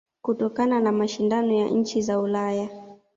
Kutokana na mashindano ya nchi za Ulaya